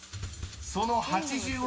［その８０億